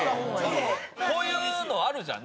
こういうのあるじゃん。